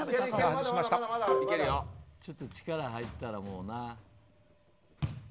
ちょっと力入ったらもうな。